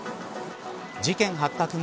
事件発覚前